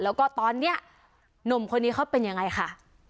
แล้วก็ตอนนี้หนุ่มคนนี้เขาเป็นยังไงค่ะ